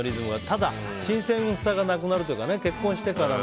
ただ、新鮮さがなくなるというか結婚してから。